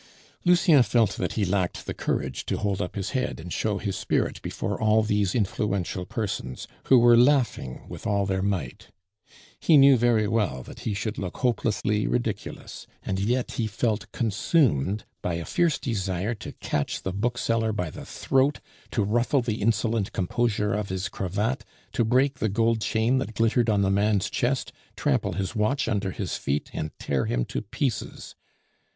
Lucien felt that he lacked the courage to hold up his head and show his spirit before all these influential persons, who were laughing with all their might. He knew very well that he should look hopelessly ridiculous, and yet he felt consumed by a fierce desire to catch the bookseller by the throat, to ruffle the insolent composure of his cravat, to break the gold chain that glittered on the man's chest, trample his watch under his feet, and tear him in pieces.